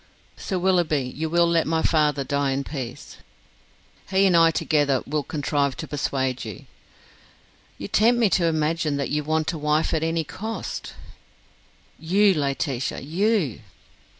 "Sir Willoughby, you will let my father die in peace." "He and I together will contrive to persuade you." "You tempt me to imagine that you want a wife at any cost." "You, Laetitia, you."